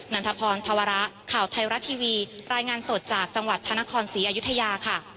ันทพรธวระข่าวไทยรัฐทีวีรายงานสดจากจังหวัดพระนครศรีอยุธยาค่ะ